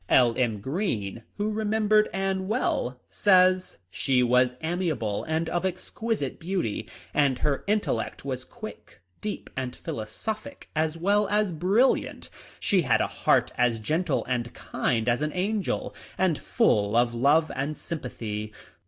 L. M. Greene, who remembered Anne well, says, " She was amiable and of exquisite beauty, and her intellect was quick, deep, and philosophic as well as brilliant. She had a heart as gentle and kind as" an angel, and full of love and sympathy.